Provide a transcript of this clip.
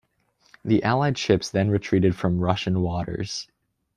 The allied ships then retreated from Russian waters.